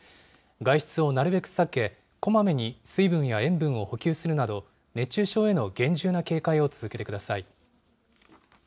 外出をなるべく避け、こまめに水分や塩分を補給するなど、熱中症への厳重な警戒を続けてください。